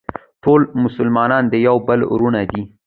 ټول مسلمانان د یو بل وروڼه دي.